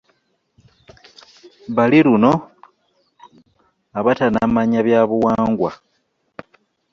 Bali luno abatannamanya byabuwangwa.